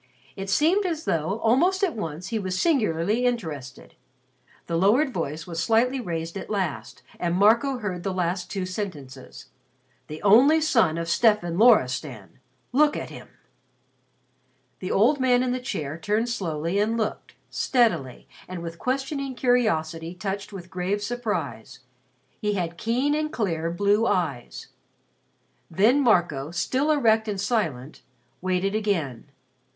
It seemed as though almost at once he was singularly interested. The lowered voice was slightly raised at last and Marco heard the last two sentences: "The only son of Stefan Loristan. Look at him." The old man in the chair turned slowly and looked, steadily, and with questioning curiosity touched with grave surprise. He had keen and clear blue eyes. Then Marco, still erect and silent, waited again.